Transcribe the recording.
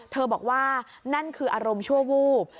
บอกว่านั่นคืออารมณ์ชั่ววูบ